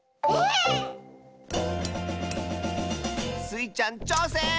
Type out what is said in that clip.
⁉スイちゃんちょうせん！